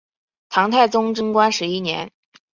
唐太宗贞观十一年。